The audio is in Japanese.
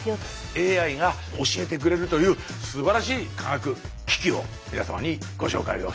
ＡＩが教えてくれるというすばらしい科学機器を皆様にご紹介をしてくれました。